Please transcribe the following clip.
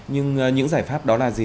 nhưng những giải pháp đó là gì